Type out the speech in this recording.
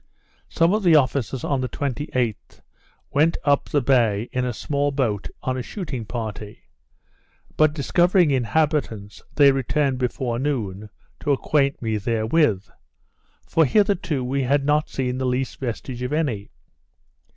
Some of the officers, on the 28th, went up the bay in a small boat on a shooting party; but, discovering inhabitants, they returned before noon, to acquaint me therewith; for hitherto we had not seen the least vestige of any.